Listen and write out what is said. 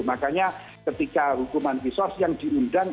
makanya ketika hukuman kisos yang diundang